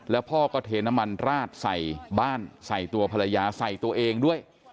แล้วพ่อก็เทน้ำมันราดใส่บ้านใส่ตัวภรรยาใส่ตัวเองด้วย